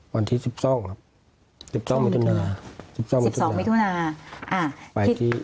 วันที่สิบซ่องครับสิบซ่องมิถุนาสิบซ่องมิถุนา